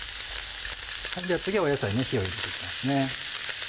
では次は野菜に火を入れて行きますね。